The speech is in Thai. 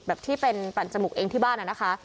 ที่เป็นปั่นจมูกเองที่บ้านนะคะ